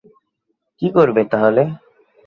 কী করবে তাহলে?